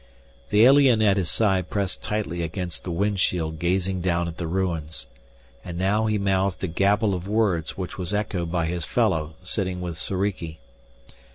The alien at his side pressed tightly against the windshield gazing down at the ruins. And now he mouthed a gabble of words which was echoed by his fellow sitting with Soriki.